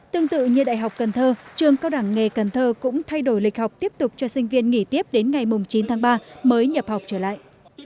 tương tự như đại học cần thơ trường cao đẳng nghề cần thơ cũng thay đổi lịch học tiếp tục cho sinh viên nghỉ tiếp đến ngày chín tháng ba mới nhập học trở lại